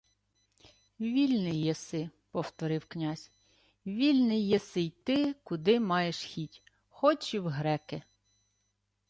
— Вільний єси, — повторив князь. — Вільний єси йти, куди маєш хіть. Хоч і в греки.